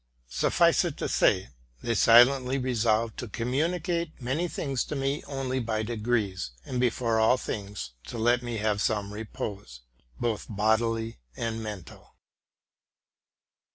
Suffice it to say, they silently resolved to commu nicate many things to me only by degrees, and before all things to let me have some repose, both bodily and mental.